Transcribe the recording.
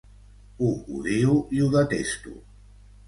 Ho odio i ho detesto.